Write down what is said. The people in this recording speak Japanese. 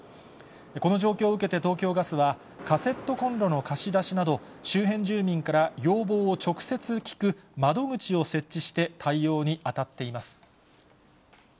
この状況を受けて東京ガスは、カセットコンロの貸し出しなど、周辺住民から要望を直接聞く窓口を設置して、対応に当たっています。